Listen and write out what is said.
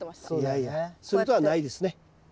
いやいやそういうことはないですね。